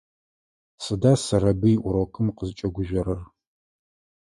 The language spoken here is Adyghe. Сыда Сэрэбый урокым къызкӏэгужъорэр?